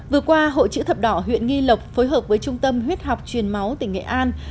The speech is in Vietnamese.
vừa qua hội chữ thập đỏ huyện nghi lộc phối hợp với trung tâm huyết học truyền máu tỉnh nghệ an